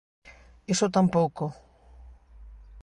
Iso tampouco.